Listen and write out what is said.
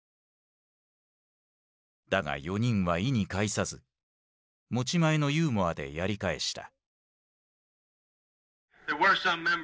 だが４人は意に介さず持ち前のユーモアでやり返した。